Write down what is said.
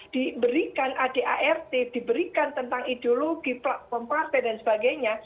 diberikan adart diberikan tentang ideologi platform partai dan sebagainya